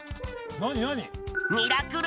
何？